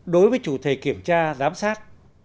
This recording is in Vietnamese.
đối với chủ thầy kiểm tra giám sát